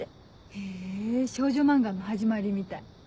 へぇ少女漫画の始まりみたい。